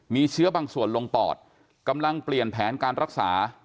มีเชื้อบางส่วนลงปอดกำลังเปลี่ยนแผนการรักษา